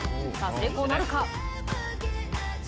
成功なるか？